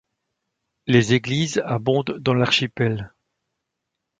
Les églises abondent dans l’archipel.